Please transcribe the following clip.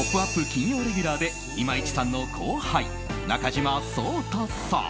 金曜レギュラーで今市さんの後輩中島颯太さん。